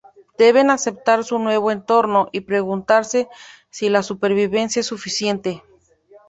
Deben aceptar su nuevo entorno y preguntarse si la supervivencia es suficiente.